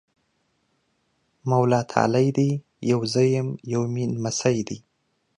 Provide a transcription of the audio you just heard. مولا تالی دی! يو زه یم، یو مې نمسی دی۔